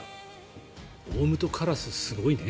オウムとカラスはすごいね。